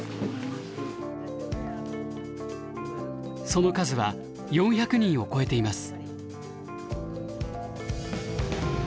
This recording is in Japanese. その数は４００人を超えています。